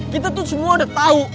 kita tuh semua udah tahu